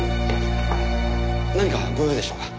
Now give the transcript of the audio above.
何かご用でしょうか？